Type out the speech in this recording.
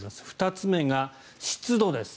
２つ目が湿度です。